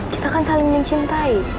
kita kan saling mencintai